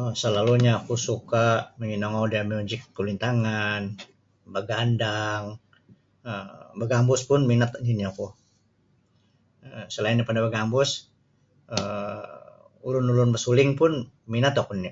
um Salalunyo oku suka manginongou da miuzik kulintangan bagandang um bagambus pun minat nini oku. Selain daripada bagambus um ulun-ulun basuling pun minat oku nini.